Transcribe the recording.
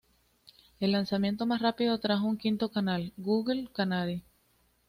El lanzamiento más rápido trajo un quinto canal: Google Canary.